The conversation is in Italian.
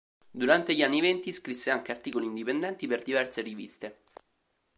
Durante gli anni venti scrisse anche articoli indipendenti per diverse riviste.